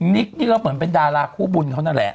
นิกนี่เราเหมือนเป็นดาราคู่บุญเขานั่นแหละ